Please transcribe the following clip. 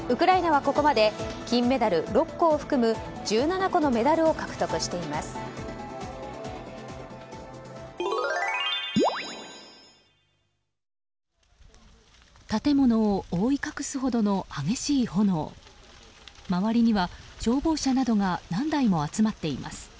ウクライナはここまで金メダル６個を含む１７個のメダルを獲得しています。